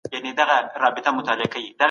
وينه په اوبو نه پاکيږي.